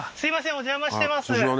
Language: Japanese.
お邪魔してます